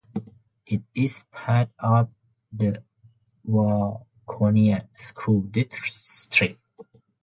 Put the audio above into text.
It is part of the Waconia School District.